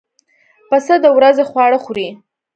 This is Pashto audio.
پسه د ورځې خواړه خوري.